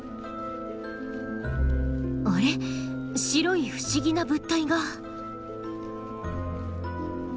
白い不思議な物体が。